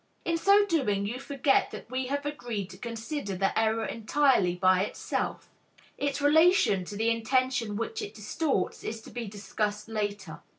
In so doing you forget that we have agreed to consider the error entirely by itself. Its relation to the intention which it distorts is to be discussed later.